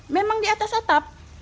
memang di atas atap